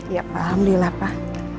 ya alhamdulillah pak